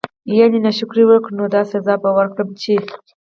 يعني نا شکري وکړه نو داسي عذاب به ورکړم چې